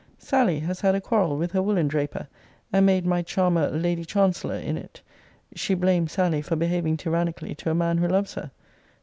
Sally has had a quarrel with her woollen draper; and made my charmer lady chancellor in it. She blamed Sally for behaving tyrannically to a man who loves her.